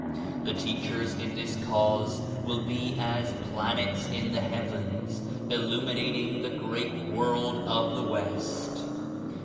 The teachers in this Cause will be as planets in the heavens, illuminating the great world of the West.